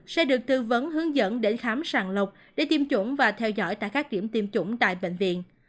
sẽ được tư vấn hướng dẫn để khám sàng lọc để tiêm chủng và theo dõi tại các điểm tiêm chủng tại bệnh viện